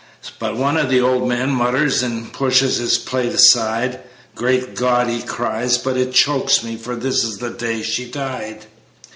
But one of the old men mutters, And pushes his plate aside: "Great God!" he cries; "but it chokes me! For this is the day she died."